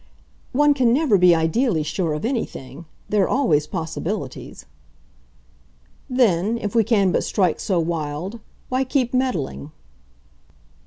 "One can never be ideally sure of anything. There are always possibilities." "Then, if we can but strike so wild, why keep meddling?"